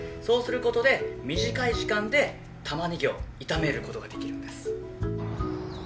そうすることで短い時間でタマネギを炒めることができるんです。